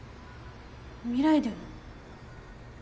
未来でも？